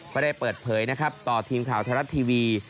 ก็ได้เปิดเผยนะครับต่อทีมข่าวไทยรัฐทีวี